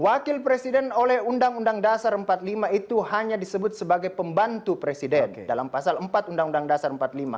wakil presiden oleh undang undang dasar empat puluh lima itu hanya disebut sebagai pembantu presiden dalam pasal empat undang undang dasar empat puluh lima